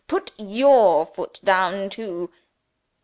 Put your foot down too.